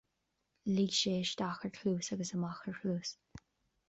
Lig sé isteach ar chluas agus amach ar chluas